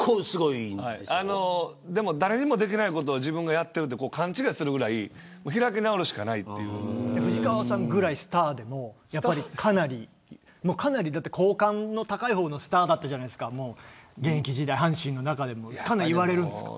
誰にもできないことが自分がやっていると勘違いするぐらい藤川さんぐらいスターでもかなり好感の高い方のスターだったじゃないですか現役時代、阪神の中でもそれでも言われるんですか。